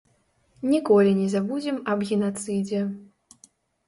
Ніколі не забудзем аб генацыдзе.